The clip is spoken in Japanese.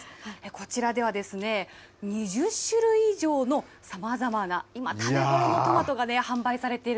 こちらでは２０種類以上のさまざまな、今食べごろのトマトがね、カラフル。